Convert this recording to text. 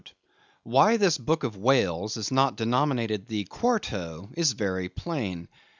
*Why this book of whales is not denominated the Quarto is very plain.